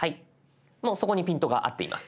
もうそこにピントが合っています。